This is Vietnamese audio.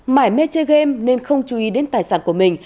mải mê chơi game nên không chú ý đến tài sản của mình